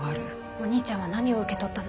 お兄ちゃんは何を受け取ったの？